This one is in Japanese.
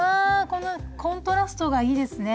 このコントラストがいいですね。